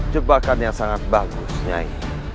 jebakan yang sangat bagus nyai